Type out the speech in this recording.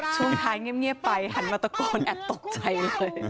ช่วงท้ายเงียบไปหันมาตะโกนแอบตกใจเลย